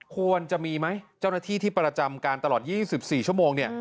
ควรจะมีไหมเจ้าหน้าที่ที่ประจำการตลอด๒๔ชั่วโมง